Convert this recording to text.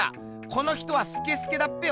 この人はスケスケだっぺよ。